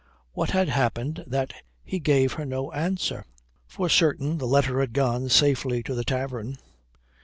What had happened that he gave her no answer? For certain the letter had gone safely to the tavern.